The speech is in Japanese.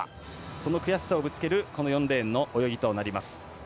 その悔しさをぶつける４レーンの泳ぎとなります。